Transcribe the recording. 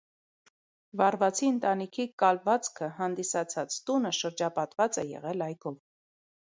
Վարվացի ընտանիքի կալվածքը հանդիսացած տունը շրջապատված է եղել այգով։